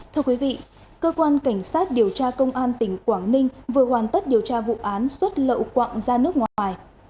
thưa quý vị cơ quan cảnh sát điều tra công an tỉnh quảng ninh vừa hoàn tất điều tra vụ án xuất lậu quặng ra nước ngoài